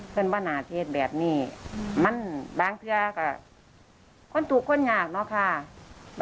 เพื่อนบ้านหาเทศแบบนี้มันบางเทือก่ะคนถูกคนอยากเนาะค่ะ